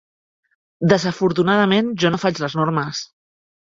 Desafortunadament jo no faig les normes.